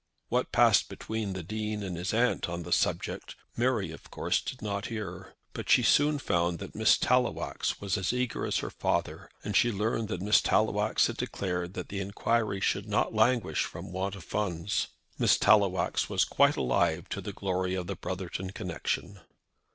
What passed between the Dean and his aunt on the subject Mary, of course, did not hear; but she soon found that Miss Tallowax was as eager as her father, and she learned that Miss Tallowax had declared that the inquiry should not languish from want of funds. Miss Tallowax was quite alive to the glory of the Brotherton connection.